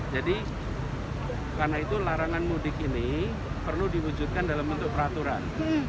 jadi karena itu larangan mudik ini perlu diwujudkan dalam bentuk peraturan